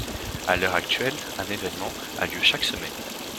À l'heure actuelle, un événement a lieu chaque semaine.